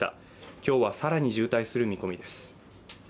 今日は更に渋滞する見込みです。